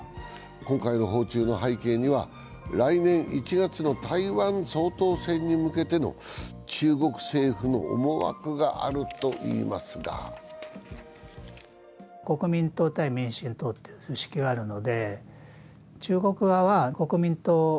今回の訪中の背景には、来年１月の台湾総統選に向けての中国政府の思惑があるといいますがこれは松原さんに伺いましょうか。